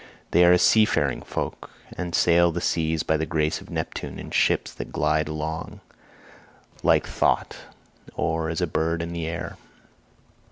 They are a sea faring folk, and sail the seas by the grace of Neptune in ships that glide along like thought, or as a bird in the air."